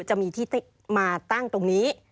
จะมีที่มาตั้งตรงนี้